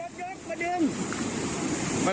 ต้องให้รถยกมาดึง